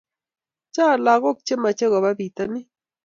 Chang lakok che mache koba pitanin